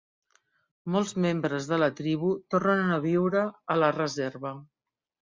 Molts membres de la tribu tornen a viure a la reserva.